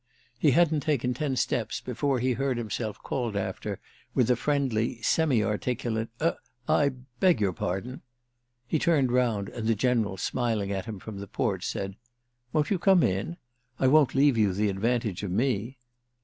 He hadn't taken ten steps before he heard himself called after with a friendly semi articulate "Er—I beg your pardon!" He turned round and the General, smiling at him from the porch, said: "Won't you come in? I won't leave you the advantage of me!"